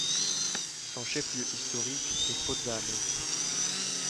Son chef-lieu historique est Fozzano.